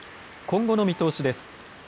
今後の見通しです。